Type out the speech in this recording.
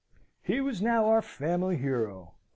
He was now our family hero.